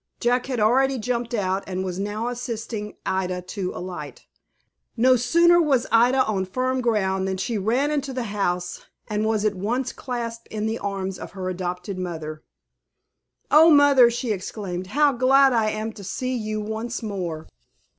Jack had already jumped out, and was now assisting Ida to alight. No sooner was Ida on firm ground than she ran into the house, and was at once clasped in the arms of her adopted mother. "O mother!" she exclaimed; "how glad I am to see you once more."